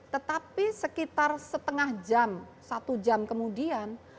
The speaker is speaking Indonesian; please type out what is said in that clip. tetapi sekitar setengah jam satu jam kemudian